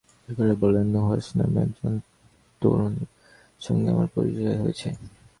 জাকারিয়া বললেন, নুহাশ নামে একজন তরুণীর সঙ্গে আমার পরিচয় হয়েছে।